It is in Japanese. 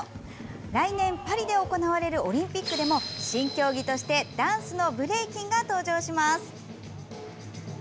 来年パリで行われるオリンピックでも新競技としてダンスのブレイキンが登場します。